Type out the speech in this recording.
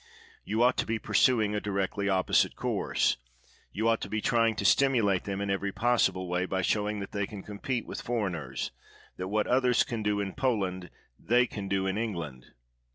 You ought to be pursu ing a directly opposite course — you ought to be trying to stimulate them in every possible way, by showing that they can compete with foreigners; that what others can do in Poland, thej' can do in England.